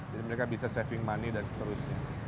jadi mereka bisa saving money dan seterusnya